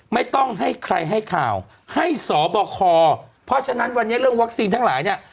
ไม่ต้องให้ใครให้ข่าวให้สบคเพราะฉะนั้นวันนี้เรื่องวัคซีนทั้งหลายเนี่ย